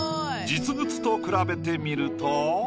実物と比べてみると。